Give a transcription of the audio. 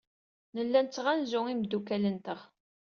Nella nettɣanzu imeddukal-nteɣ.